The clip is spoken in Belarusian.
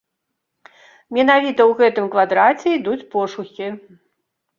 Менавіта ў гэтым квадраце ідуць пошукі.